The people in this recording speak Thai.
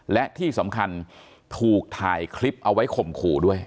และที่สำคัญถูกถ่ายคลิปเอาไว้ข่มขู่ด้วย